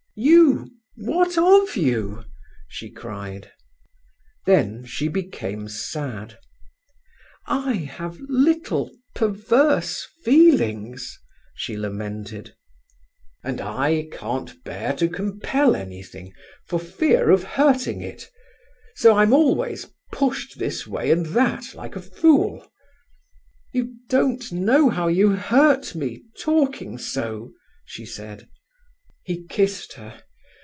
"You—what of you?" she cried. Then she became sad. "I have little perverse feelings," she lamented. "And I can't bear to compel anything, for fear of hurting it. So I'm always pushed this way and that, like a fool." "You don't know how you hurt me, talking so," she said. He kissed her.